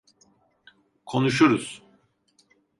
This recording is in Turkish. Konuşuruz.